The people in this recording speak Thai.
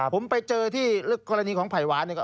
ผมไปเจอที่กรณีของไผ่หวานเนี่ย